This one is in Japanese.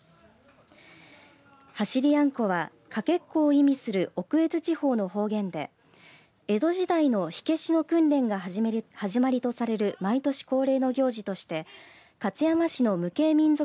走りやんこはかけっこを意味する奥越地方の方言で江戸時代の火消しの訓練が始まりとされる毎年恒例の行事として勝山市の無形民俗